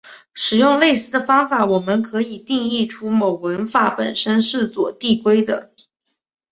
使用类似的方式我们可以定义出某文法本身是左递归的。